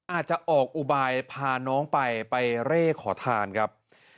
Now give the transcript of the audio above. อาจจะออกอุบายพาน้องไปไปเร่ขอทานครับ